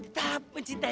aku tetap mencintai kamu